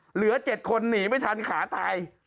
เหลือ๗คนหนีไม่ทันขาตาย